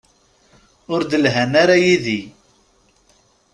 Ur d-lhan ara yid-i.